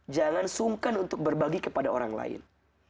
jangan sungkan untuk berbagi kepada orang lain